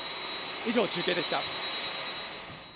以上、中継でした。